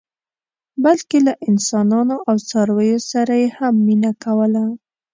بلکې له انسانانو او څارویو سره یې هم مینه کوله.